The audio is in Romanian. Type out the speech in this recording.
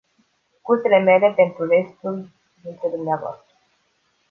Scuzele mele pentru restul dintre dvs.